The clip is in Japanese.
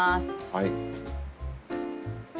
はい。